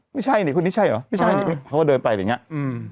ไม่ใช่นี่คนนี้ใช่เหรอไม่ใช่นี่เขาก็เดินไปอะไรอย่างเงี้ยอืม